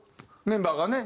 メンバーがね